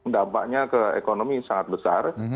dampaknya ke ekonomi sangat besar